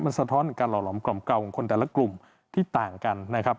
มันสะท้อนการหล่อหล่อมเกาของคนแต่ละกลุ่มที่ต่างกันนะครับ